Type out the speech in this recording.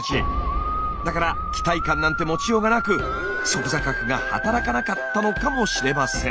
だから期待感なんて持ちようがなく側坐核が働かなかったのかもしれません。